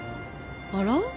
あら？